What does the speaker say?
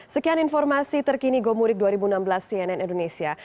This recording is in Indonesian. sekian informasi terkini gomudik dua ribu enam belas cnn indonesia